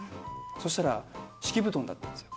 そうしたら敷布団だったんですよ。